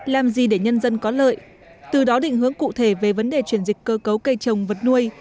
làm gì để nhân dân có lợi từ đó định hướng cụ thể về vấn đề chuyển dịch cơ cấu cây trồng vật nuôi